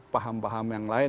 paham paham yang lain